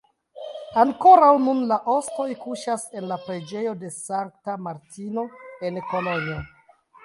Ankoraŭ nun la ostoj kuŝas en la preĝejo de Sankta Martino en Kolonjo.